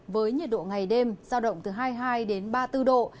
với nhiệt độ ngày đêm giao động từ hai mươi hai ba mươi bốn độ